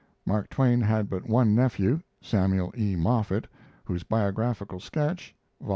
Mark Twain had but one nephew: Samuel E. Moffett, whose Biographical Sketch (vol.